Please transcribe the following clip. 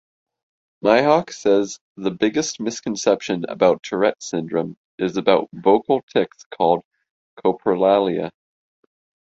Mihok says the biggest misconception about Tourette's Syndrome is about vocal tics, called coprolalia.